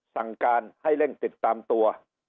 สั่งการให้เร่งติดตามตัว